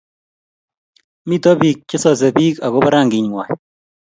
Mito piik che sase piik akoba ranginwaiy